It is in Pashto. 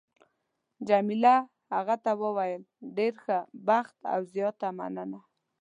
جميله هغه ته وویل: ډېر ښه بخت او زیاته مننه.